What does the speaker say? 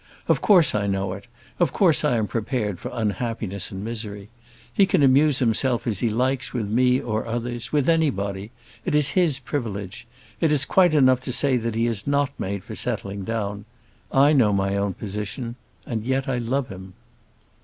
Of course, I know it; of course, I am prepared for unhappiness and misery. He can amuse himself as he likes with me or others with anybody. It is his privilege. It is quite enough to say that he is not made for settling down. I know my own position; and yet I love him."